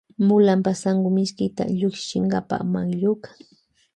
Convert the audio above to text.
Malunpa sankumishkita llukchinkapa makllukan.